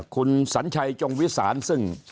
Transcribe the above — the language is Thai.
คุณสัญชัยจงวิสานซึ่ง